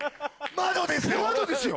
窓ですよ？